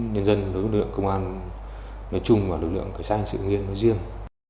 nhân dân lực lượng công an nói chung và lực lượng xã hội sự nghiên riêng